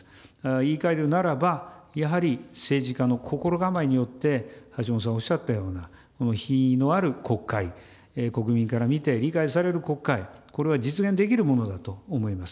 言いかえるならば、やはり政治家の心構えによって、橋本さんおっしゃったような、この品位のある国会、国民から見て理解される国会、これは実現できるものだと思います。